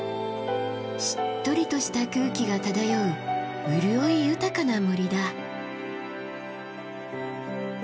しっとりとした空気が漂う潤い豊かな森だ。